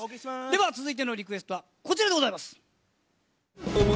では続いてのリクエストはこちらでございます。